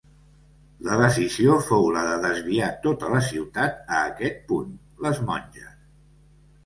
La decisió fou la de desviar tota la ciutat a aquest punt, les Monges.